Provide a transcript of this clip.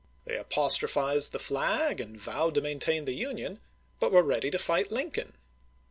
They apostrophized the flag and vowed to maintain the Union, but were ready to fight Lincoln.